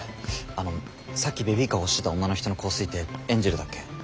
あのさっきベビーカーを押してた女の人の香水ってエンジェルだっけ？